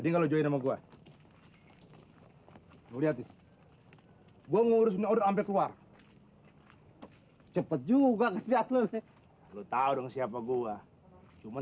hai melihat gua ngurusnya udah sampai keluar cepet juga kecil lu tahu dong siapa gua cuman